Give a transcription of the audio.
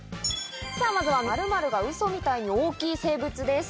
まずは○○がウソみたいに大きい生物です。